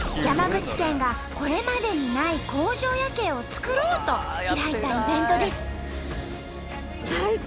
山口県がこれまでにない工場夜景を作ろうと開いたイベントです。